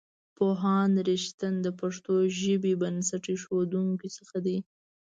پوهاند رښتین د پښتو ژبې بنسټ ایښودونکو څخه دی.